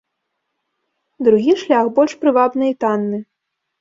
Другі шлях больш прывабны і танны.